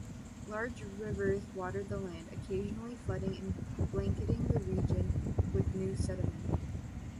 Large rivers watered the land, occasionally flooding and blanketing the region with new sediment.